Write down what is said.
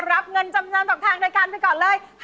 รับเงินจำนำต่อทางด้วยกันไปก่อนเลย